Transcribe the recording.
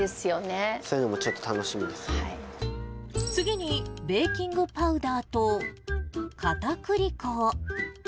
そういうのもちょっと次に、ベーキングパウダーとかたくり粉を。